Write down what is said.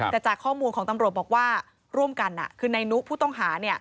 แต่จากข้อมูลของตำรวจบอกว่าร่วมกันคือในนุผู้ต้องหา